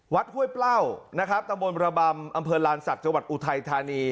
ห้วยเปล้านะครับตะบนระบำอำเภอลานศักดิ์จังหวัดอุทัยธานี